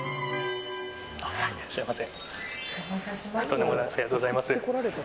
いらっしゃいませ。